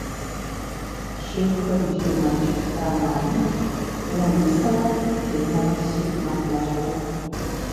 «Щихуэхэр иджыри мэкӏ» романым, Ларисэрэ, Фенэрэ сигу нэхъ ящӏогъу.